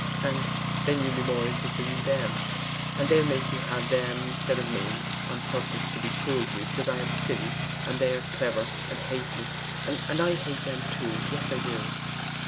And then you'll be more interested in them, and they'll make you have them instead of me, on purpose to be cruel to me because I am silly, and they are clever and hate me. And I hate them, too; yes, I do!